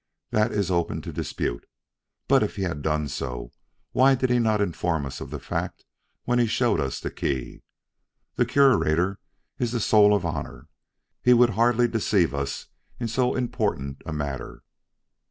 That is open to dispute; but if he had done so, why did he not inform us of the fact when he showed us the key? The Curator is the soul of honor. He would hardly deceive us in so important a matter."